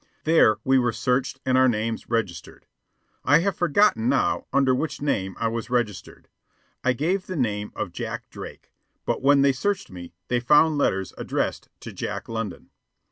There we were searched and our names registered. I have forgotten, now, under which name I was registered. I gave the name of Jack Drake, but when they searched me, they found letters addressed to Jack London.